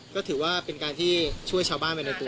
ก็ถือว่าเป็นการที่ช่วยชาวบ้านไปในตัว